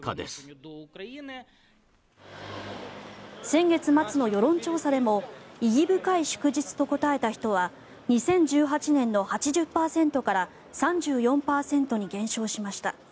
先月末の世論調査でも意義深い祝日と答えた人は２０１８年の８０％から３４％に減少しました。